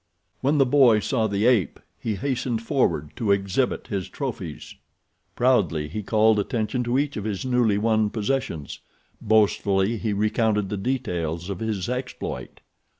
When the boy saw the ape he hastened forward to exhibit his trophies. Proudly he called attention to each of his newly won possessions. Boastfully he recounted the details of his exploit.